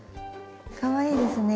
かわいいですね。